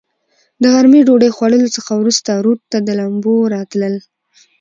د غرمې ډوډوۍ خوړلو څخه ورورسته رود ته د لمبو لپاره راتلل.